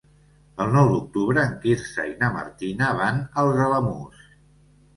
El nou d'octubre en Quirze i na Martina van als Alamús.